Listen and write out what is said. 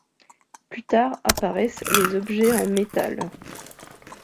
Plus tard apparaissent les objets en métal.